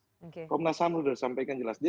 oke komnas ham sudah sampaikan jelasnya